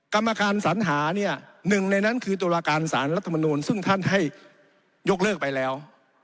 กรรมการสัญหาเนี่ยหนึ่งในนั้นคือตุลาการสารรัฐมนูลซึ่งท่านให้ยกเลิกไปแล้ว